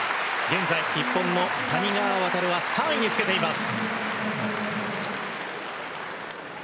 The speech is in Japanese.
現在、日本の谷川航は３位につけています。